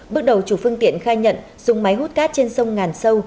bước đầu chủ phương tiện khai nhận dùng máy hút cát trên sông ngàn sâu